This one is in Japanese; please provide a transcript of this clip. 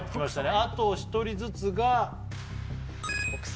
あと１人ずつが北斎？